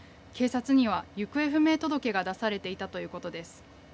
警察には行方不明届が出されていたということです。